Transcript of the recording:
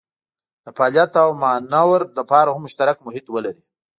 د فعالیت او مانور لپاره هم مشترک محیط ولري.